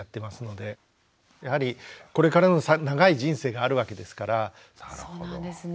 やはりこれからの長い人生があるわけですから。